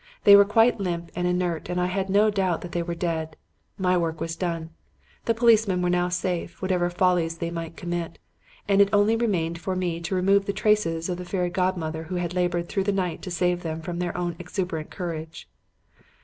They were quite limp and inert and I had no doubt that they were dead. My work was done. The policemen were now safe, whatever follies they might commit; and it only remained for me to remove the traces of the fairy godmother who had labored through the night to save them from their own exuberant courage.